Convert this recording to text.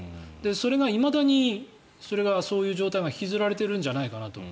それがいまだにそれがそういう状態が引きずられているんじゃないかと。